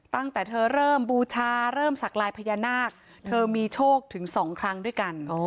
ตั้งแต่เธอเริ่มบูชาเริ่มสักลายพญานาคเธอมีโชคถึงสองครั้งด้วยกัน